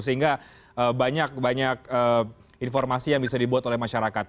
sehingga banyak banyak informasi yang bisa dibuat oleh masyarakat